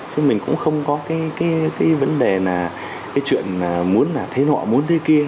chứ mình cũng không có cái vấn đề là cái chuyện là muốn thế nọ muốn thế kia